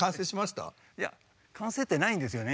いや完成ってないんですよね。